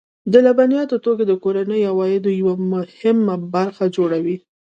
د لبنیاتو توکي د کورنیو عوایدو یوه برخه جوړوي.